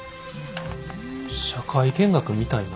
社会見学みたいな？